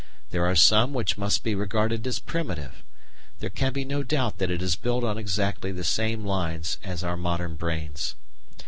There are some which must be regarded as primitive. There can be no doubt that it is built on exactly the same lines as our modern brains.